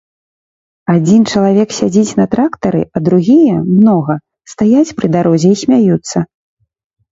Адзін чалавек сядзіць на трактары, а другія, многа, стаяць пры дарозе і смяюцца.